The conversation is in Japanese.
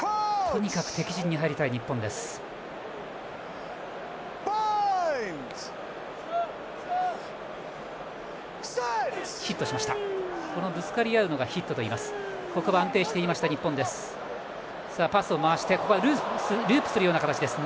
とにかく敵陣に入りたい日本です。